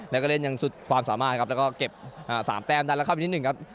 แล้วก็เล่นอย่างสุดความสามารถครับแล้วก็เก็บ๓แตมด้านละครับนิดนึงครับ